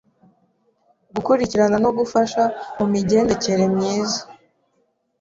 Gukurikirana no gufasha mu migendekere myiza